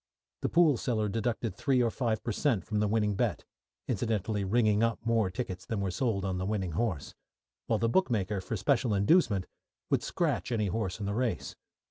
The pool seller deducted three or five per cent. from the winning bet (incidentally "ringing up" more tickets than were sold on the winning horse), while the bookmaker, for special inducement, would scratch any horse in the race.